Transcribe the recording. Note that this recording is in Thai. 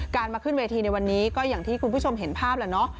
มาขึ้นเวทีในวันนี้ก็อย่างที่คุณผู้ชมเห็นภาพแล้วเนาะ